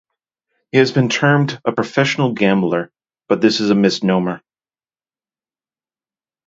He has been termed a 'professional gambler', but this is a misnomer.